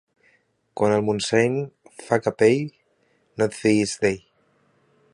Quan el Montseny fa capell, no et fiïs d'ell.